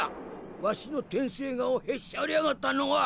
ワシの天生牙をへし折りやがったのは！？